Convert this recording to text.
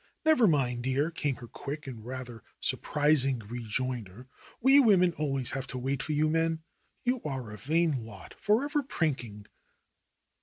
"Never mind, dear," came her quick and rather sur prising rejoinder. "We women always have to wait for you men. You are a vain lot, forever prinking."